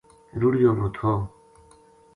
رُڑیو وو تھو